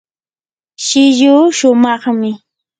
shilluu shumaqmi.